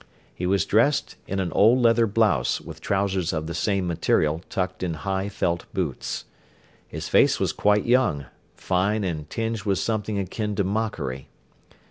He was dressed in an old leather blouse with trousers of the same material tucked in high felt boots. His face was quite young, fine and tinged with something akin to mockery.